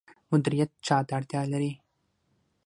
مدیریت چا ته اړتیا لري؟